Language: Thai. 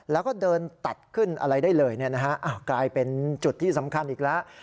แล้วก็เดินตัดขึ้นอะไรได้เลยกลายเป็นจุดที่สำคัญอีกแล้ว